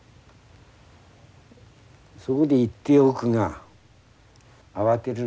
「そこで言っておくが慌てるんでないぞ。